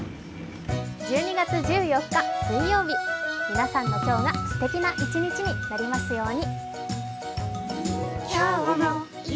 １２月１４日水曜日、皆さんの今日がすてきな一日になりますように。